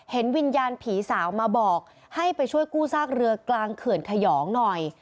เห็นวิญญาณผีสาวมาบอกให้ไปช่วยกู้ซากเรือกลางเขื่อนขยองหน่อย